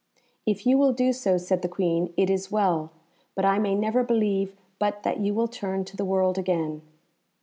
"If you will do so," said the Queen, "it is well; but I may never believe but that you will turn to the world again."